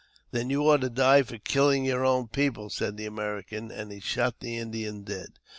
" Then you ought to die for kilhng your own people," said the American, and he shot the Indian dead.